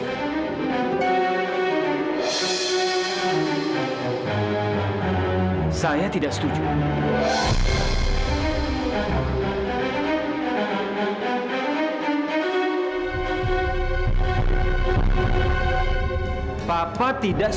kita juga harus berposisi lagi